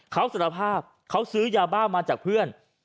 เขาสารภาพเขาซื้อยาบ้ามาจากเพื่อน